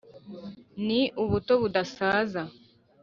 ni ubuto budasaza